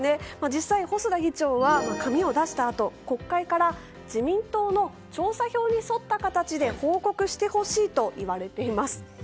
実際、細田議長は紙を出したあと国会から自民党の調査票に沿った形で報告してほしいと言われています。